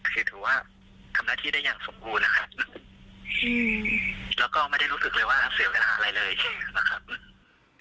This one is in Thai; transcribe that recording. คือถือว่าทำหน้าที่ได้อย่างสมบูรณ์นะครับแล้วก็ไม่ได้รู้สึกเลยว่าเสียเวลาอะไรเลยนะครับ